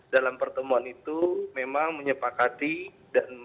dalam pertemuan itu memang menyepakati dan